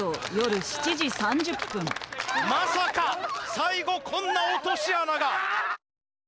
まさか最後こんな落とし穴が。